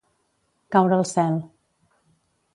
Caure el cel.